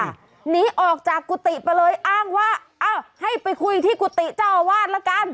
หนีออกจากกุฏิไปเลยอ้างว่าเอ้าให้ไปคุยที่กุฏิเจ้าอาวาสละกัน